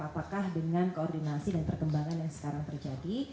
apakah dengan koordinasi dan perkembangan yang sekarang terjadi